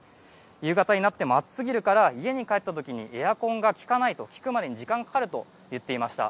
夕方になっても暑すぎるから家に帰ってもエアコンがきくまでに時間がかかると言っていました。